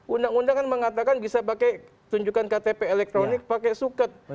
undang undang kan mengatakan bisa pakai tunjukkan ktp elektronik pakai suket